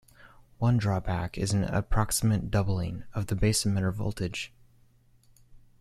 One drawback is an approximate doubling of the base-emitter voltage.